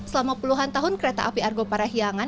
selama puluhan tahun kereta api argo parahiangan